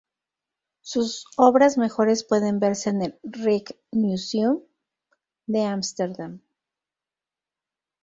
Sus obras mejores pueden verse en el Rijksmuseum de Ámsterdam.